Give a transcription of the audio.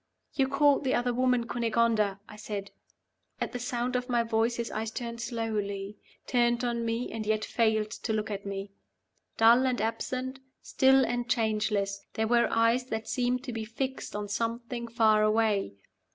"You called the other woman Cunegonda," I said. At the sound of my voice his eyes turned slowly turned on me, and yet failed to look at me. Dull and absent, still and changeless, they were eyes that seemed to be fixed on something far away.